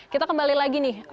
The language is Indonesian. kita kembali lagi nih